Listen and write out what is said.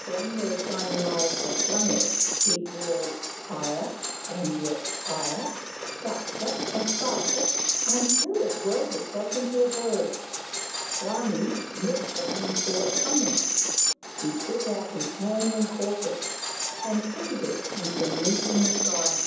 From where Shin ing Eyes had flung it, it whirled higher and yet higher, faster and faster, until it whirled itself into a ball. Rangi looked down and saw it coming. He put out his hand and caught it, and fitted it into a niche in the sky.